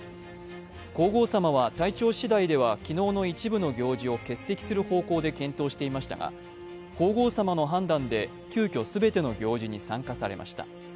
皇后さまは体調次第では昨日の一部の行事を欠席する方向で検討していましたが、皇后さまの判断で急きょ全ての行事に参加されました。